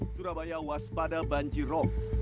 surabaya waspada banjir rop